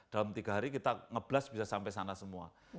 dalam tiga hari kita ngeblas bisa sampai sana semua